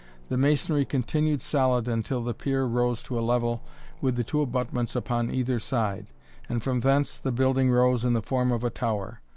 The masonry continued solid until the pier rose to a level with the two abutments upon either side, and from thence the building rose in the form of a tower.